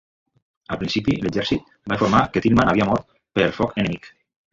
Al principi, l'Exèrcit va informar que Tillman havia mort per foc enemic.